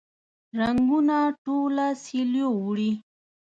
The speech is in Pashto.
رنګونه ټوله سیلیو وړي